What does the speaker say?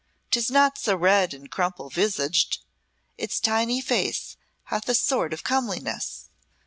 'Tis not so red and crumple visaged its tiny face hath a sort of comeliness.